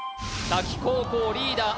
滝高校リーダー